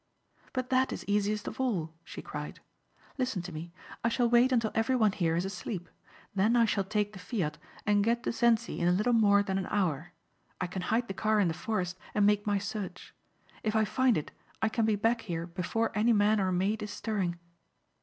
"But that is easiest of all," she cried, "Listen to me. I shall wait until everyone here is asleep. Then I shall take the Fiat and get to Zencsi in a little more than an hour. I can hide the car in the forest and make my search. If I find it I can be back here before any man or maid is stirring."